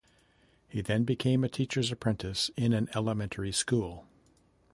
He then became a teacher's apprentice in an elementary school.